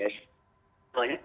ya semuanya ke